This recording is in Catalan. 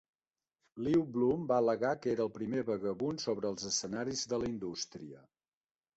Lew Bloom va al·legar que era "el primer vagabund sobre els escenaris de la indústria".